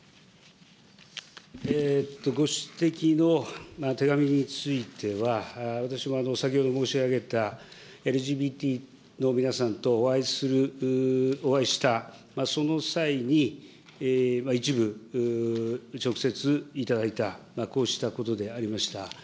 ご指摘の手紙については、私も先ほど申し上げたＬＧＢＴの皆さんとお会いする、お会いした、その際に一部、直接頂いた、こうしたことでありました。